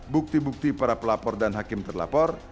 bukti bukti para pelapor dan hakim terlapor